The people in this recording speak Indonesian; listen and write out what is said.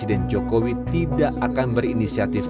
oh enggak enggak pernah